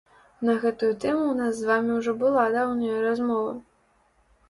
На гэтую тэму ў нас з вамі ўжо была даўняя размова.